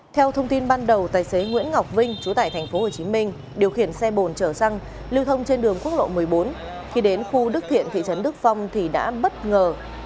theo thông tin ban đầu tài xế nguyễn ngọc vinh chú tại tp hcm điều khiển xe bồn chở xăng lưu thông trên đường quốc lộ một mươi bốn khi đến khu đức thiện thị trấn đức phong thì đã bất ngờ